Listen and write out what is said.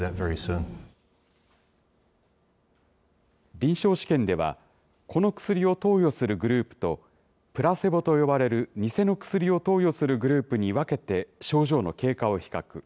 臨床試験では、この薬を投与するグループと、プラセボと呼ばれる偽の薬を投与するグループに分けて、症状の経過を比較。